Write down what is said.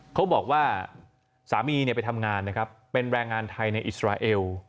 เขาบอกว่าสามีไปทำงานนะครับเป็นแรงงานไทยในอิสราเอล